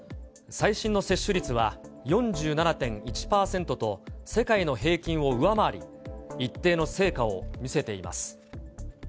最新の接種率は４７．１％と、世界の平均を上回り、一定の成果を見せています。